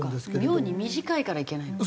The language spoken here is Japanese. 妙に短いからいけないの？